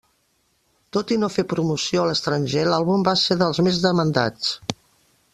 Tot i no fer promoció a l'estranger, l'àlbum va ser dels més demandats.